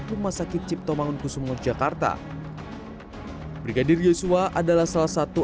atau logi rumah sakit ciptomangun kusumo jakarta brigadir yosua adalah salah satu